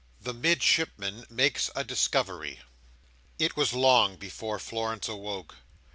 The Midshipman makes a Discovery It was long before Florence awoke.